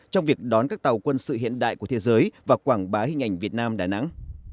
trong việc đón các tàu quân sự hiện đại của thế giới và quảng bá hình ảnh việt nam đà nẵng